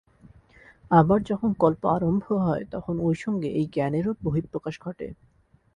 আবার যখন কল্প আরম্ভ হয়, তখন ঐ সঙ্গে এই জ্ঞানেরও বহিঃপ্রকাশ ঘটে।